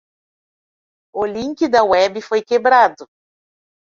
O link da web foi quebrado.